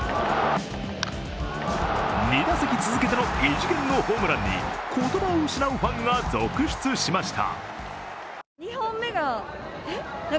２打席続けての異次元のホームランに言葉を失うファンが続出しました。